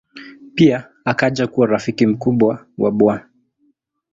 Pia akaja kuwa rafiki mkubwa wa Bw.